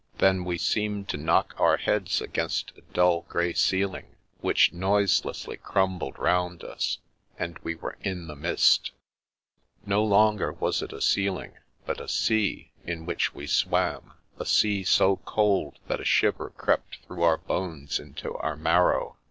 Then we seemed to knock our heads against a dull grey ceil ing, which noiselessly crumbled round us, and we were in the mist. No longer was it a ceiling, but a sea in which we swam ; a sea so cold that a shiver crept through our bones into our marrow.